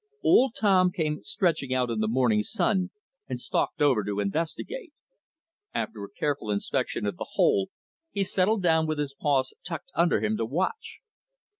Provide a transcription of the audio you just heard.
Old Tom came stretching out into the morning sun and stalked over to investigate. After a careful inspection of the hole he settled down with his paws tucked under him to watch.